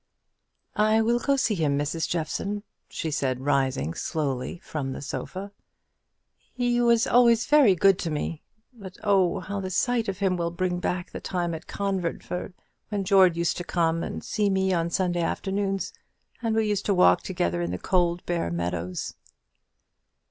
"I will go to him, Mrs. Jeffson," she said, rising slowly from the sofa. "He was always very good to me. But, oh, how the sight of him will bring back the time at Conventford, when George used to come and see me on Sunday afternoons, and we used to walk together in the cold bare meadows!"